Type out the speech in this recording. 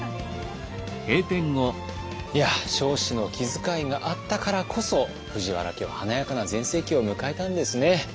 いや彰子の気遣いがあったからこそ藤原家は華やかな全盛期を迎えたんですね。